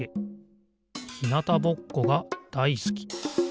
ひなたぼっこがだいすき。